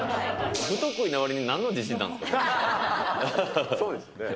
不得意なわりになんの自信なんですか。